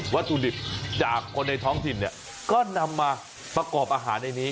วัตถุดิบจากคนในท้องถิ่นเนี่ยก็นำมาประกอบอาหารในนี้